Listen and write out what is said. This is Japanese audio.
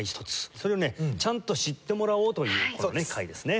それをねちゃんと知ってもらおうというこのね回ですね。